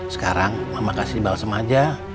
sekarang mama kasih balsem aja